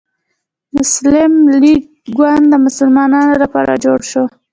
مسلم لیګ ګوند د مسلمانانو لپاره جوړ شو.